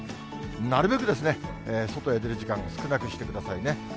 なるべく外へ出る時間、少なくしてくださいね。